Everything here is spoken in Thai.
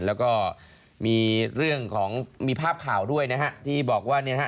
แล้วก็มีเรื่องของมีภาพข่าวด้วยนะฮะที่บอกว่าเนี่ยฮะ